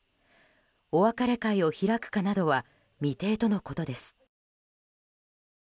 お別れ会を開くかなどは未定とのことです。